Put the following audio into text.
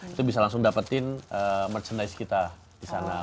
itu bisa langsung dapetin merchandise kita disana